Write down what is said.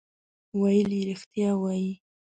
ویل یې رښتیا وایې.